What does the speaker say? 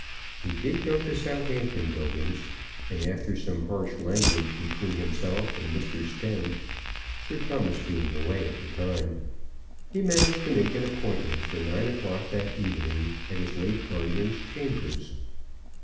He did go to Southampton Buildings, and after some harsh language between himself and Mr. Stemm, Sir Thomas being away at the time, he managed to make an appointment for nine o'clock that evening at his late guardian's chambers.